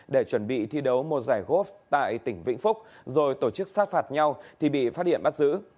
để chuẩn bị thi đấu một giải góp tại tỉnh vĩnh phúc rồi tổ chức sát phạt nhau thì bị phát hiện bắt giữ